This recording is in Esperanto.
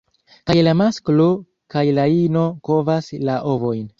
Kaj la masklo kaj la ino kovas la ovojn.